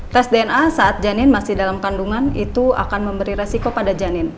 tes dna saat janin masih dalam kandungan itu akan memberi resiko pada janin